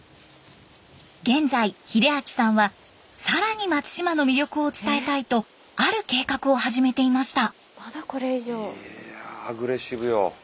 現在秀明さんは更に松島の魅力を伝えたいとある計画を始めていました。